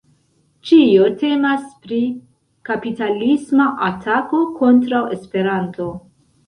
Ĉio temas pri kapitalisma atako kontraŭ Esperanto.